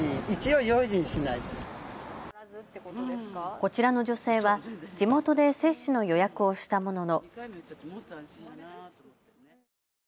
こちらの女性は地元で接種の予約をしたものの。